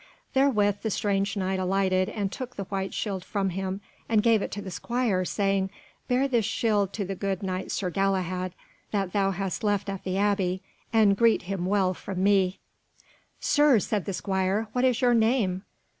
Therewith the strange Knight alighted and took the white shield from him, and gave it to the squire, saying, "Bear this shield to the good Knight Sir Galahad that thou hast left in the Abbey, and greet him well from me." "Sir," said the squire, "what is your name?"